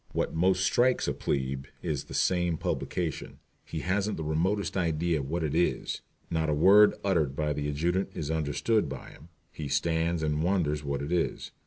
What most strikes a "plebe" is this same publication. He hasn't the remotest idea of what it is. Not a word uttered by the adjutant is understood by him. He stands and wonders what it is.